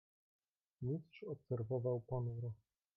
"Mistrz obserwował ponuro."